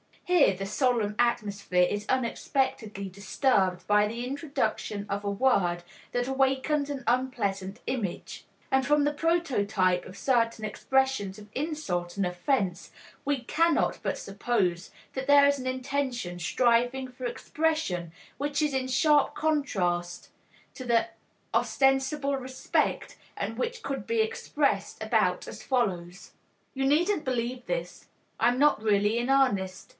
" Here the solemn atmosphere is unexpectedly disturbed by the introduction of a word that awakens an unpleasant image; and from the prototype of certain expressions of insult and offense we cannot but suppose that there is an intention striving for expression which is in sharp contrast to the ostensible respect, and which could be expressed about as follows, "You needn't believe this. I'm not really in earnest.